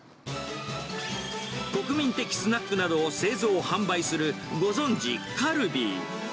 国民的スナックなどを製造・販売する、ご存じ、カルビー。